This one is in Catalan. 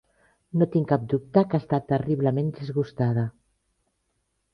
No tinc cap dubte que està terriblement disgustada.